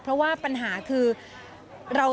เพราะว่าปัญหาคือ